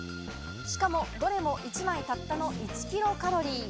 しかもどれも１枚たったの１キロカロリー。